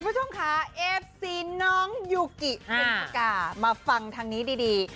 คุณผู้ชมค่ะเอฟซีน้องยูกิเพ็ญสกามาฟังทางนี้ดี